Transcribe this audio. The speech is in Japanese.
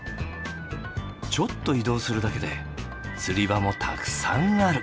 ちょっと移動するだけで釣り場もたくさんある。